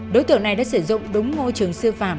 đối tượng này đã sử dụng đúng môi trường sư phạm